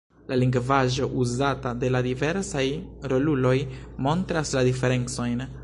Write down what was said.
La lingvaĵo uzata de la diversaj roluloj montras la diferencojn.